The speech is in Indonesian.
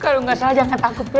kalau gak salah jangan takut ya